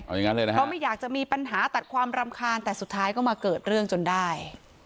เพราะไม่อยากจะมีปัญหาตัดความรำคาญแต่สุดท้ายก็มาเกิดเรื่องจนได้